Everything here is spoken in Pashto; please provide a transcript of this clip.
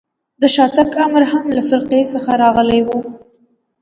د شاتګ امر هم له فرقې څخه راغلی و.